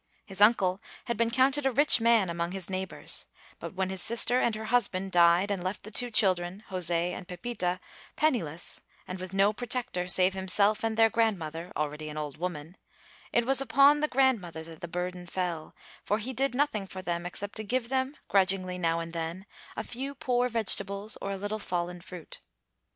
His uncle had been counted a rich man among his neighbors, but when his sister and her husband died and left the two children, José and Pepita, penniless, and with no protector save himself and their grandmother, already an old woman, it was upon the grandmother that the burden fell, for he did nothing for them except to give them, grudgingly now and then, a few poor vegetables or a little fallen fruit.